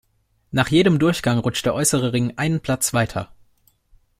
Nach jedem Durchgang rutscht der äußere Ring einen Platz weiter.